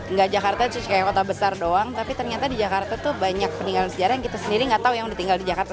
nggak jakarta kayak kota besar doang tapi ternyata di jakarta tuh banyak peninggalan sejarah yang kita sendiri nggak tahu yang udah tinggal di jakarta